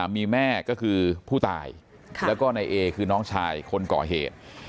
มีแม่ก็คือผู้ตายแล้วก็นายเอคือน้องชายคนก่อเหตุ